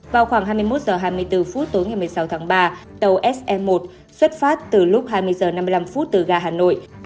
vào khoảng hai mươi một h hai mươi bốn tối ngày một mươi sáu tháng ba tàu sm một xuất phát từ lúc hai mươi h năm mươi năm từ gà hàm rồng